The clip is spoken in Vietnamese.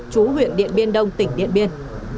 trú huyện điện biên đông tỉnh điện biên